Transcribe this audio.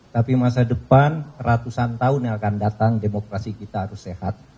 tapi masa depan ratusan tahun yang akan datang demokrasi kita harus sehat